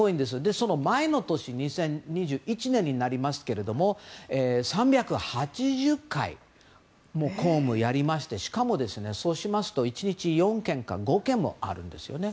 その前の年２０２１年になりますけれども３８０回も公務やりましてしかも、そうしますと１日、４件か５件もあるんです。